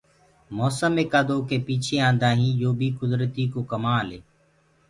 موسم ايڪآ دوڪي پ ميٚڇي آندآ هينٚ يو بي ڪُدرتي ڪو ڪمآل هي۔